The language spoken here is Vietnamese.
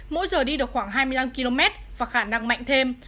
mỗi giờ đi được khoảng hai mươi năm km và khả năng mạnh thêm